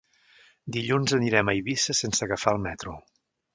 Dilluns anirem a Eivissa sense agafar el metro.